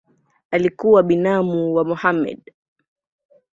Alikuwa binamu wa Mohamed.